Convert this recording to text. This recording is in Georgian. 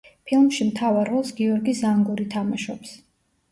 ფილმში მთავარ როლს გიორგი ზანგური თამაშობს.